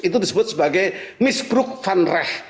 itu disebut sebagai misbruk van rech